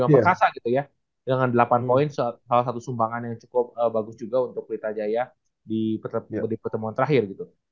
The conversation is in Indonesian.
pastiin dulu sampai akhir